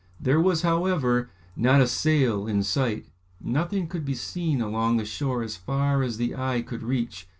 There was, however, not a sail in sight; nothing could be seen along the shore as far as the eye could reach.